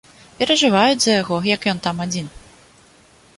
Перажываюць за яго, як ён там адзін.